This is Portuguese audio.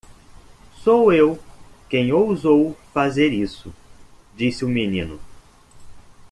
"Sou eu quem ousou fazer isso?" disse o menino.